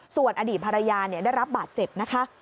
ส่วนอดีตภรรยาได้รับบาดเจ็บนะคะ